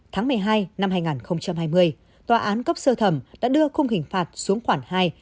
tháng một mươi hai năm hai nghìn hai mươi tòa án cấp sơ thẩm đã đưa khung hình phạt xuống khoảng hai